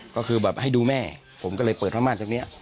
ก็คือแบบให้ดูแม่ผมก็เลยเปิดผ้าม่านจากนี้